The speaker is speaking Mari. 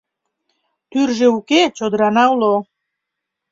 Тӱржӧ уке чодырана уло